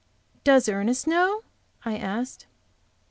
"Does Ernest know?" I asked.